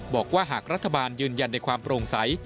บอกว่าหากรัฐบาลยืนยันในความโปร่งใส